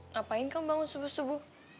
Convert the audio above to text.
ngapain kamu bangun sebelum subuh